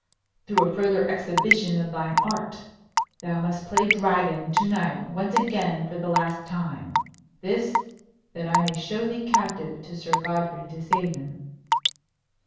"Through a further exhibition of thine art. Thou must play Dragon to night once again for the last time. This, that I may show thee captive to Sir Godfrey Disseisin."